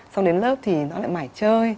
xong đến lớp thì nó lại mải chơi